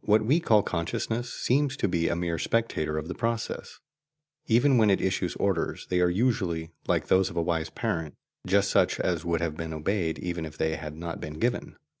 What we call "consciousness" seems to be a mere spectator of the process; even when it issues orders, they are usually, like those of a wise parent, just such as would have been obeyed even if they had not been given.